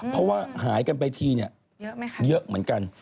ถ้าสัดองค์หนึ่งก็สร้าง